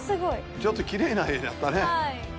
ちょっときれいな絵だったね